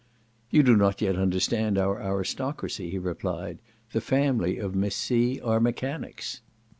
"You do not yet understand our aristocracy," he replied, "the family of Miss C. are mechanics."